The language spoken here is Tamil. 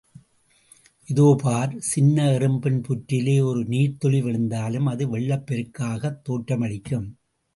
இதோ பார், சின்ன எறும்பின் புற்றிலே ஒரு நீர்த்துளி விழுந்தாலும், அது வெள்ளப் பெருக்காகத் தோற்றமளிக்கும்.